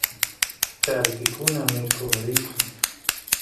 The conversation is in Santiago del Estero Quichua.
charki kunan mikoq riyku